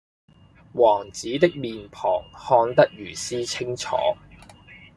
王子的臉龐看得如斯清楚